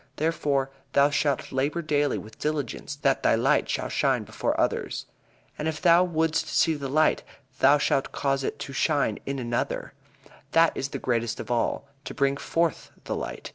Therefore thou shalt labor daily with diligence that thy light shall shine before others. And if thou wouldst see the light thou shalt cause it to shine in another. That is the greatest of all to bring forth the light.